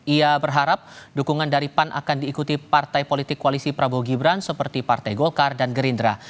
ia berharap dukungan dari pan akan diikuti partai politik koalisi prabowo gibran seperti partai golkar dan gerindra